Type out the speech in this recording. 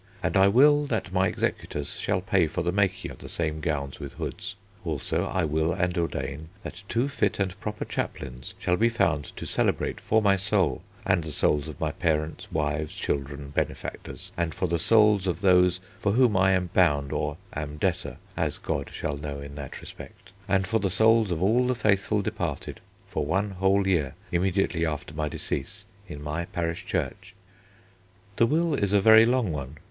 And I will that my Executors shall pay for the making of the same gowns with hoods.... Also I will and ordain that two fit and proper chaplains shall be found to celebrate for my soul, and the souls of my parents, wives, children, benefactors, and for the souls of those for whom I am bound or am debtor, as God shall know in that respect, and for the souls of all the faithful departed, for one whole year, immediately after my decease, in my parish church...." The will is a very long one.